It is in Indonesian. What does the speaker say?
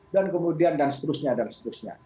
dan kemudian dan seterusnya dan seterusnya